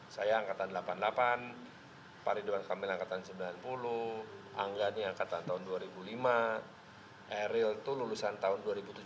saya angkatan delapan puluh delapan pak ridwan kamil angkatan sembilan puluh anggani angkatan tahun dua ribu lima eril itu lulusan tahun dua ribu tujuh belas